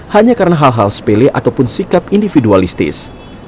hanya karena hal hal sepele ataupun sikap individualistis